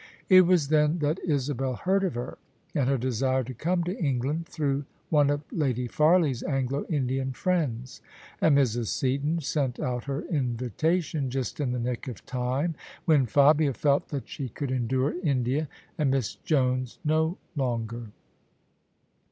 It was then that Isabel heard of her and her desire to come to England, through one of Lady Farley's Anglo Indian friends; and Mrs. Seaton sent out her invitation just in the nick of time when Fabia felt that she could endure India and Miss Jones no longer.